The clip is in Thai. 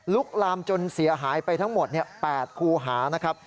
ลามจนเสียหายไปทั้งหมด๘คูหานะครับ